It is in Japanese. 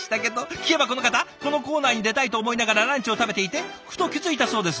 聞けばこの方このコーナーに出たいと思いながらランチを食べていてふと気付いたそうです。